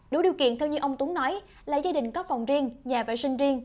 đủ điều kiện theo như ông tuấn nói là gia đình có phòng riêng nhà vệ sinh riêng